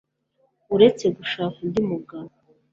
uretse gushaka undi mugabo